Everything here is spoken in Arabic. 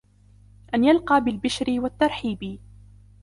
أَنْ يَلْقَى بِالْبِشْرِ وَالتَّرْحِيبِ